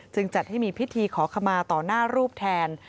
จัดให้มีพิธีขอขมาต่อหน้ารูปแทน